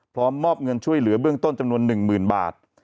พร้อมมอบเงินช่วยเหลือเบื้องต้นจำนวนหนึ่งหมื่นบาท